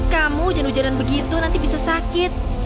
kamu jangan hujan hujanan begitu nanti bisa sakit